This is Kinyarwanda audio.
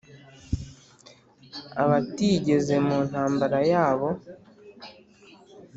Abatigeze mu ntambara yabo